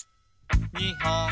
「２ほん」